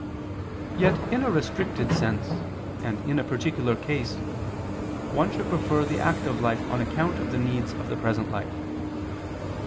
Yet in a restricted sense and in a particular case one should prefer the active life on account of the needs of the present life.